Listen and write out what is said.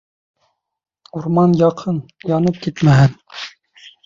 Урман яҡын, янып китмәһен!